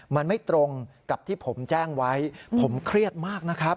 มันไม่ตรงกับที่ผมแจ้งไว้ผมเครียดมากนะครับ